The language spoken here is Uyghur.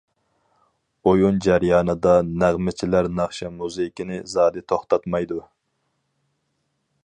ئويۇن جەريانىدا نەغمىچىلەر ناخشا-مۇزىكىنى زادى توختاتمايدۇ.